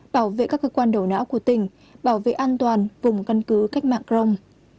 bảo vệ các cơ quan đầu não của tỉnh bảo vệ an toàn vùng căn cứ cách mạng crong